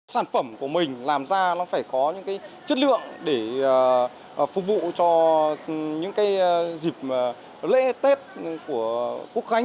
sản phẩm của mình làm ra nó phải có những chất lượng để phục vụ cho những dịp lễ tết của quốc khánh